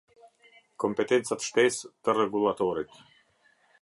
Kompetencat shtesë të Rregullatorit.